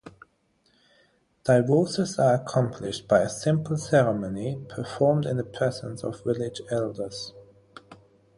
Divorces are accomplished by a simple ceremony performed in the presence of village elders.